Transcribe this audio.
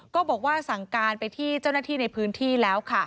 ก็บอกว่าสั่งการไปที่เจ้าหน้าที่ในพื้นที่แล้ว